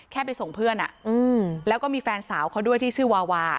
ไปส่งเพื่อนแล้วก็มีแฟนสาวเขาด้วยที่ชื่อวาวา